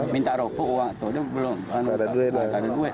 minta rokok uang itu dia belum ada duit